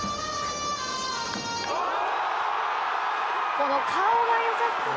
「この顔が良かったな！」